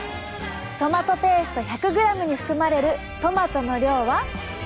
トマトペースト１００ｇに含まれるトマトの量は。